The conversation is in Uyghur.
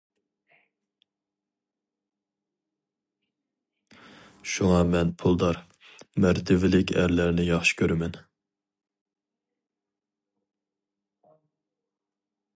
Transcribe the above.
شۇڭا مەن پۇلدار، مەرتىۋىلىك ئەرلەرنى ياخشى كۆرىمەن.